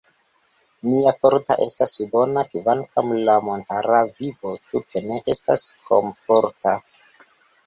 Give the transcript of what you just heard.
Nia farto estas bona, kvankam la montara vivo tute ne estas komforta.